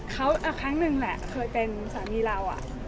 ครั้งหนึ่งแหละเคยเป็นสามีเรา